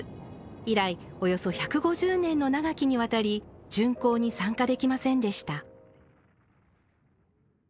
以来、およそ１５０年の長きに渡り巡行に参加できませんでした。